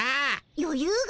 よゆうが？